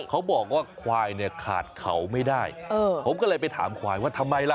เขาบอกว่าควายเนี่ยขาดเขาไม่ได้ผมก็เลยไปถามควายว่าทำไมล่ะ